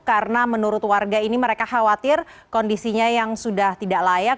karena menurut warga ini mereka khawatir kondisinya yang sudah tidak layak